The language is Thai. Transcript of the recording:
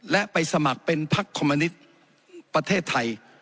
และไปสมัครเป็นพักคอมมินิตประเทศไทย